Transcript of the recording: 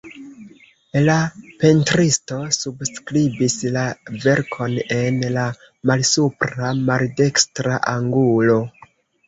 La pentristo subskribis la verkon en la malsupra maldekstra angulo.